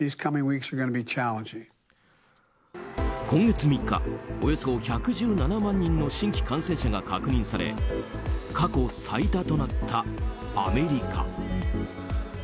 今月３日およそ１１７万人の新規感染者が確認され過去最多となった、アメリカ。